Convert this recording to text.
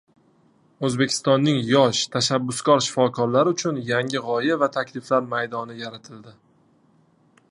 O‘zbekistonning yosh, tashabbuskor shifokorlari uchun yangi g‘oya va takliflar maydoni yaratildi